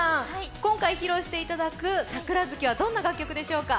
今回披露していただく「桜月」はどんな楽曲でしょうか。